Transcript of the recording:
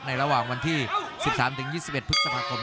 ระหว่างวันที่๑๓๒๑พฤษภาคม